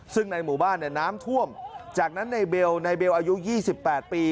ซึ่งในหมู่บ้านเนี่ยน้ำท่วมจากนั้นในเบลในเบลอายุ๒๘ปี